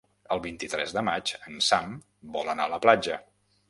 El vint-i-tres de maig en Sam vol anar a la platja.